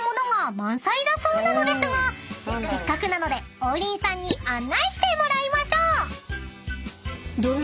［せっかくなので王林さんに案内してもらいましょう］